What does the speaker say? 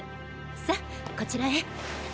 さっこちらへ。